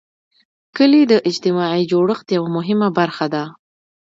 کلي د اجتماعي جوړښت یوه مهمه برخه ده.